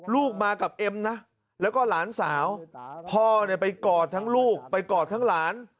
ลูกมากับเอ็มนะแล้วก็หลานสาวพ่อเนี่ยไปกอดทั้งลูกไปกอดทั้งหลาน